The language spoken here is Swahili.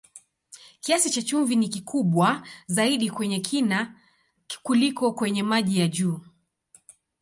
Kiasi cha chumvi ni kikubwa zaidi kwenye kina kuliko kwenye maji ya juu.